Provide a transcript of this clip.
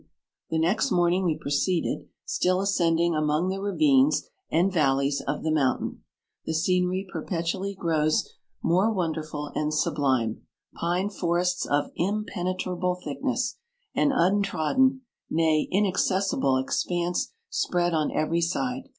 The next morning we proceeded, still ascending among the ravines and vallies of the mountain. The scenery perpetually grows morqjjpnderful and sublime : pine forests of impenetrable thickness, and untrodden, nay, inac cessible expanse spread on every side.